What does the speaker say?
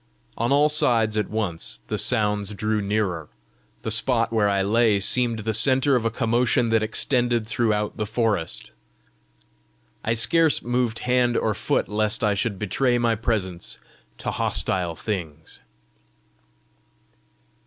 On all sides at once the sounds drew nearer; the spot where I lay seemed the centre of a commotion that extended throughout the forest. I scarce moved hand or foot lest I should betray my presence to hostile things.